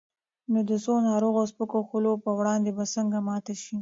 نو د څو ناروغو او سپکو خولو پر وړاندې به څنګه ماته شي؟